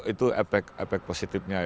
itu efek positifnya